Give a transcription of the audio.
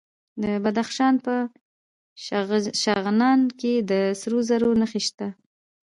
د بدخشان په شغنان کې د سرو زرو نښې شته.